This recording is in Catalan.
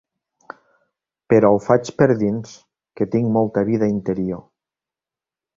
Però ho faig per dins, que tinc molta vida interior.